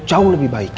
jauh lebih baik